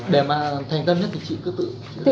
để mà thành tâm nhất thì chị cứ tự